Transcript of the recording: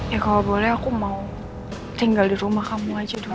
ya kalau boleh aku mau tinggal di rumah kamu aja doa